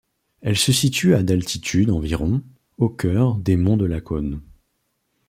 Elle se situe à d'altitude environ, au cœur des Monts de Lacaune.